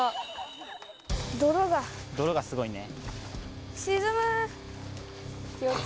泥がすごいね。